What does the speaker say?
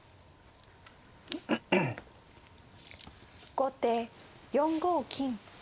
後手４五金。